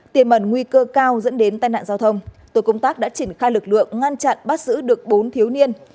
tiềm mẩn nguy cơ cao dẫn đến tai nạn giao thông tổ công tác đã triển khai lực lượng ngăn chặn bắt giữ được bốn thiếu niên